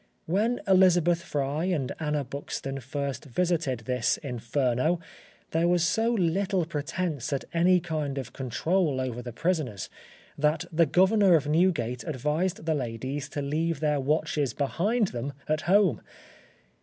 When Elizabeth Fry and Anna Buxton first visited this Inferno, there was so little pretence at any kind of control over the prisoners, that the Governor of Newgate advised the ladies to leave their watches behind them at home.